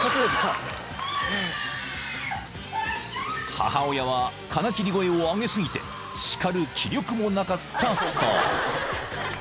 ［母親は金切り声を上げ過ぎて叱る気力もなかったそう］